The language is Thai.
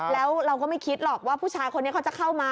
แล้วเราก็ไม่คิดหรอกว่าผู้ชายคนนี้เขาจะเข้ามา